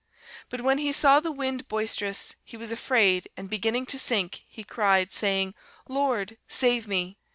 But when he saw the wind boisterous, he was afraid; and beginning to sink, he cried, saying, Lord, save me.